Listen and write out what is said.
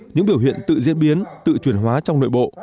những biểu hiện tự diễn biến tự chuyển hóa trong nội bộ